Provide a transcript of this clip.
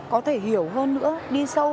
có thể hiểu hơn nữa đi sâu